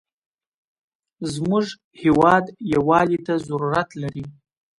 زموږ هېواد یوالي ته ضرورت لري.